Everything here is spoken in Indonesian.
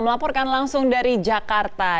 melaporkan langsung dari jakarta